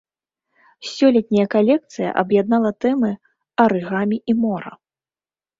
Сёлетняя калекцыя аб'яднала тэмы арыгамі і мора.